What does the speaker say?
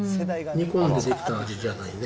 煮込んで出来た味じゃないね。